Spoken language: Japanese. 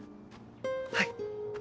はい。